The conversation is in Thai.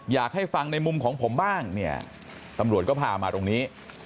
อยากให้ฟังในมุมของผมบ้างเนี่ยตำรวจก็พามาตรงนี้